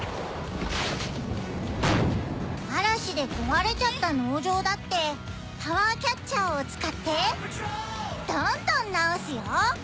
嵐で壊れちゃった農場だってパワーキャッチャーを使ってどんどん直すよ！